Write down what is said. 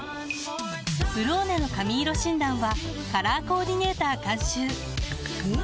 「ブローネ」の髪色診断はカラーコーディネーター監修おっ！